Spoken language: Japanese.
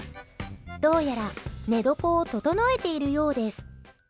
どうやら寝床を整えているようです。